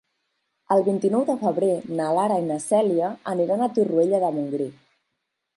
El vint-i-nou de febrer na Lara i na Cèlia aniran a Torroella de Montgrí.